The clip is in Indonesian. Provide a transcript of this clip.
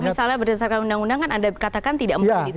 misalnya berdasarkan undang undang kan anda katakan tidak mungkin